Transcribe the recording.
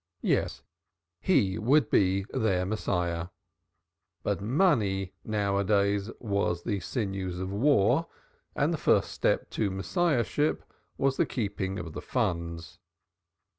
Yes, he would be their Messiah. But money now a days was the sinews of war and the first step to Messiahship was the keeping of the funds.